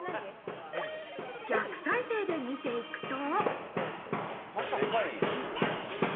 逆再生で見ていくと。